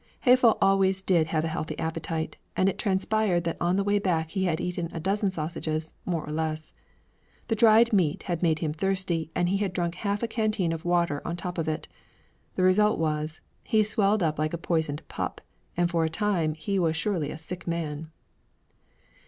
Haeffle always did have a healthy appetite, and it transpired that on the way back he had eaten a dozen sausages, more or less. The dried meat had made him thirsty and he had drunk half a canteen of water on top of it. The result was, he swelled up like a poisoned pup, and for a time he was surely a sick man.